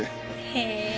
へえ。